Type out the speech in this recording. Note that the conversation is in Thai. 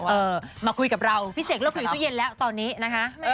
เออมาคุยกับเราพี่เสกเลิกอยู่ในตู้เย็นแล้วตอนนี้นะคะ